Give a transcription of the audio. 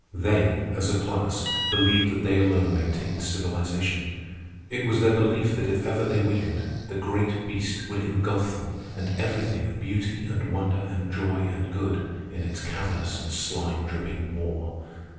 They, as a class, believed that they alone maintained civilization. It was their belief that if ever they weakened, the great beast would ingulf them and everything of beauty and wonder and joy and good in its cavernous and slime dripping maw.